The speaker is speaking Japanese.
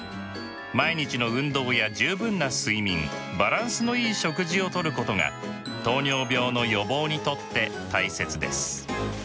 毎日の運動や十分な睡眠バランスのいい食事をとることが糖尿病の予防にとって大切です。